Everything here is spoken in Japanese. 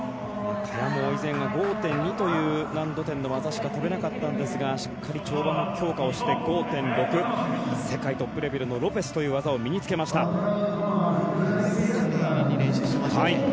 萱も以前は５．２という難度点の技しか跳べなかったんですがしっかり跳馬の強化をして５．６世界トップレベルのロペスという技を念入りに練習しました。